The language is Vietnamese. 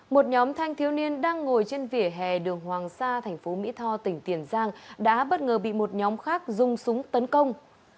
một nhóm thanh thiếu niên đang ngồi trên vỉa hè đường hoàng sa thành phố mỹ tho tỉnh tiền giang đã bất ngờ bị một nhóm khác dùng súng tấn công